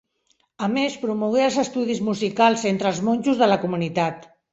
A més, promogué els estudis musicals entre els monjos de la comunitat.